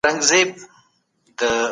که ماشومان پوښتنه وکړي نو موږ ځواب ورکوو.